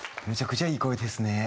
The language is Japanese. めちゃくちゃいい声ですね。